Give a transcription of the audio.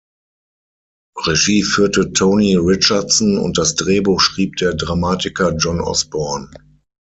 Regie führte Tony Richardson und das Drehbuch schrieb der Dramatiker John Osborne.